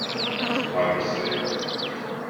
Majd visszajövök.